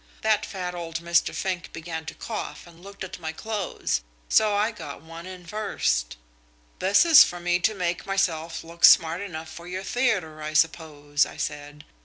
That fat old Mr. Fink began to cough and look at my clothes, so I got one in first. 'This is for me to make myself look smart enough for your theatre, I suppose?' I said.